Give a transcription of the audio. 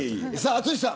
淳さん